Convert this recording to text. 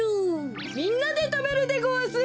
みんなでたべるでごわす！